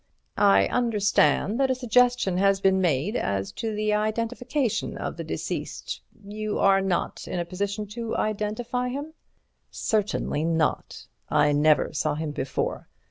"I understand that a suggestion has been made as to the identification of the deceased. You are not in a position to identify him?" "Certainly not. I never saw him before.